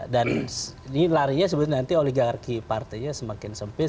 dan ini larinya sebetulnya nanti oligarki partainya semakin sempit